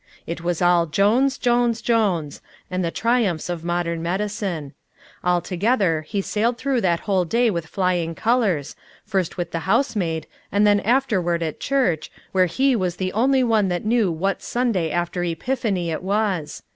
It was all Jones, Jones, Jones, and the triumphs of modern medicine. Altogether he sailed through that whole day with flying colors, first with the housemaid, and then afterward at church, where he was the only one that knew what Sunday after Epiphany it was.